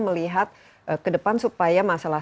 melihat ke depan supaya masalah